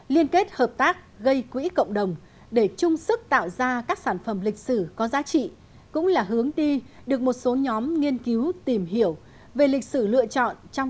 liên kết hợp tác gây quỹ cộng đồng để chung sức tạo ra các sản phẩm lịch sử có giá trị cũng là hướng đi được một số nhóm nghiên cứu tìm hiểu về lịch sử lựa chọn